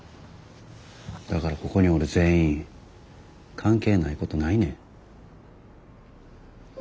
だからここにおる全員関係ないことないねん。